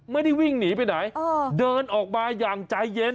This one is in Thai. วิ่งหนีไปไหนเดินออกมาอย่างใจเย็น